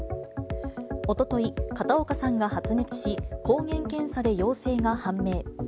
おととい、片岡さんが発熱し、抗原検査で陽性が判明。